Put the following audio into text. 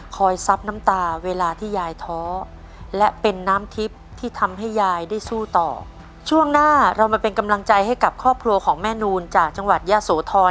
ซับน้ำตาเวลาที่ยายท้อและเป็นน้ำทิพย์ที่ทำให้ยายได้สู้ต่อช่วงหน้าเรามาเป็นกำลังใจให้กับครอบครัวของแม่นูนจากจังหวัดยะโสธร